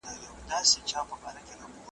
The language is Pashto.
پر هوښ راغی ته وا مړی را ژوندی سو ,